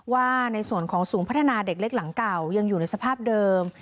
ว่าในส่วนของศูนย์พัฒนาเด็กเล็กหลังเก่ายังอยู่ในสภาพเดิม